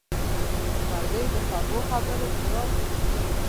پکورې د خوږو خبرو خوراک دي